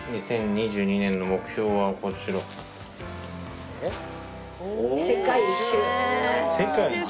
２０２２年の目標はこちら。